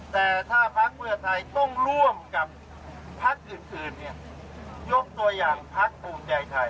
แต่ถ้าพักเพื่อไทยต้องร่วมกับพักอื่นเนี่ยยกตัวอย่างพักภูมิใจไทย